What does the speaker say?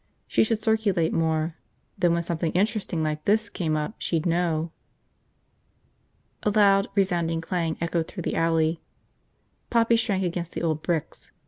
She should circulate more, then when something interesting like this came up she'd know. ... A loud, resounding clang echoed through the alley. Poppy shrank against the old bricks.